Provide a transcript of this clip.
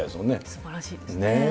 すばらしいですね。